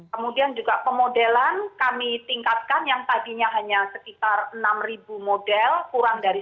kemudian juga pemodelan kami tingkatkan yang tadinya hanya sekitar enam model kurang dari satu